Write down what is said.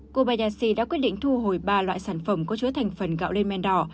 kobayashi đã quyết định thu hồi ba loại sản phẩm có chứa thành phần gạo lên men đỏ